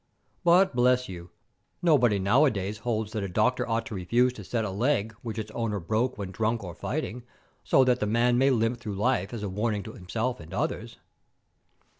But, bless you, nobody nowadays holds that a doctor ought to refuse to set a leg which its owner broke when drunk or fighting, so that the man may limp through life as a warning to himself and others.